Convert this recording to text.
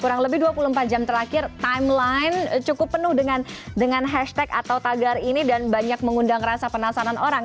kurang lebih dua puluh empat jam terakhir timeline cukup penuh dengan hashtag atau tagar ini dan banyak mengundang rasa penasaran orang